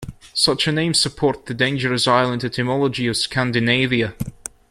Such a name support the "dangerous island" etymology of Scandinavia.